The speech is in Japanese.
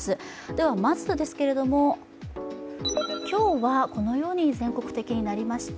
では、まず今日はこのように全国的になりました。